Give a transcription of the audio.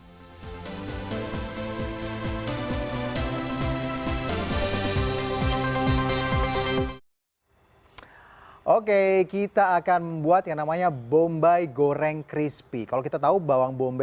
hai oke kita akan membuat yang namanya bombay goreng crispy kalau kita tahu bawang bombay